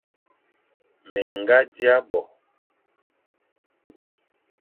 Mé ñga dia bo,